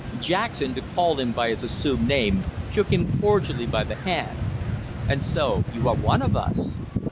Jackson, to call him by his assumed name, shook him cordially by the hand. "And so, you are one of us?"